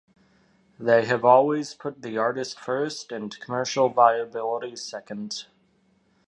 They have always put the artist first and commercial viability second.